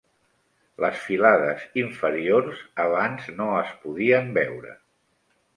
Les filades inferiors abans no es podien veure.